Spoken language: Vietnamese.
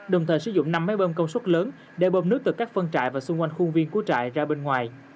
đồng thời sử dụng năm máy bơm công suất lớn để bơm nước từ các phân trại và xung quanh khuôn viên của trại ra bên ngoài